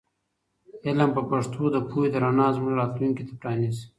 علم په پښتو د پوهې د رڼا زموږ راتلونکي ته پرانیزي.